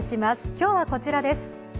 今日はこちらです